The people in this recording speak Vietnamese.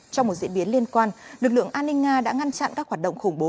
trong một diễn biến liên quan lực lượng an ninh nga đã ngăn chặn các hoạt động khủng bố